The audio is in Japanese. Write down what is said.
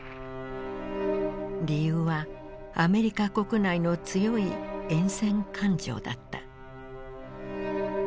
理由はアメリカ国内の強い厭戦感情だった。